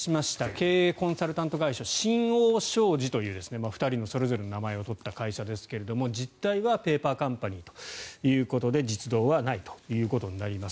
経営コンサルタント会社新桜商事という２人のそれぞれの名前を取った会社ですけど、実態はペーパーカンパニーということで実働はないということになります。